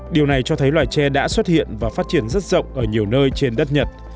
điều này cho thấy loài tre đã xuất hiện và phát triển rất rộng ở nhiều nơi trên đất nhật